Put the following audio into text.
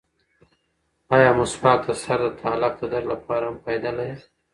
ایا مسواک د سر د تالک د درد لپاره هم فایده لري؟